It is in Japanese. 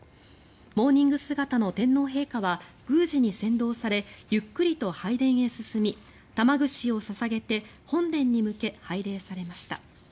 モーニング姿の天皇陛下は宮司に先導されゆっくりと拝殿へ進み玉串を捧げて本殿に向け拝礼されました。